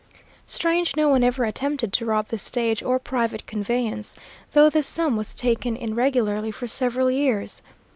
Strange no one ever attempted to rob the stage or private conveyance, though this sum was taken in regularly for several years.